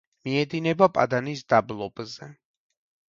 მიედინება პადანის დაბლობზე.